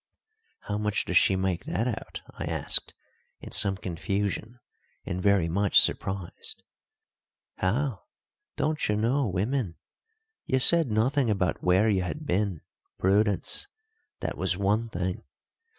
"How does she make that out?" I asked in some confusion and very much surprised. "How! Don't you know women? You said nothing about where you had been prudence. That was one thing.